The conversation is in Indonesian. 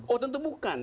oh tentu bukan